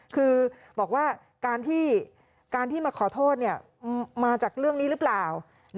คือบอกว่าการที่มาขอโทษมาจากเรื่องนี้หรือเปล่า